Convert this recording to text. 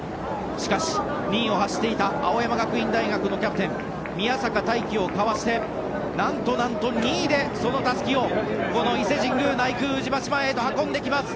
しかし、２位を走っていた青山学院大学のキャプテン宮坂大器をかわしてなんとなんと２位でそのたすきをこの伊勢神宮内宮宇治橋前へと運んできます。